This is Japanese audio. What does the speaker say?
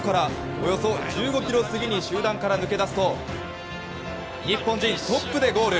およそ１５ｋｍ過ぎに集団から抜け出すと日本人トップでゴール！